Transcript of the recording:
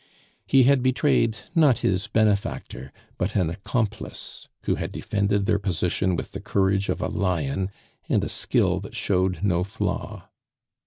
He had betrayed, not his benefactor, but an accomplice who had defended their position with the courage of a lion, and a skill that showed no flaw.